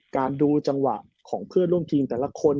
ดูจังหวะของเพื่อนร่วมทีมแต่ละคน